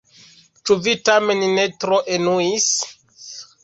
Ĉu vi tamen ne tro enuis?